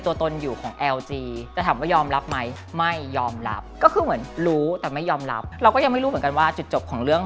ถ้าไม่ใช่เพื่อนฉันนำไม่ถึง